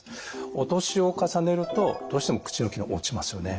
お年を重ねるとどうしても口の機能が落ちますよね。